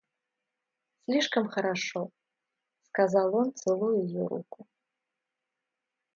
Слишком хорошо, — сказал он, целуя ее руку.